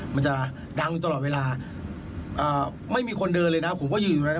มันจะดังอยู่ตลอดเวลาไม่มีคนเดินเลยนะผมก็ยืนอยู่ตรงนั้น